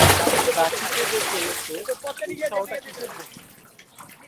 কাশীতে যে চলেছ, উৎসাহটা কিসের জন্যে?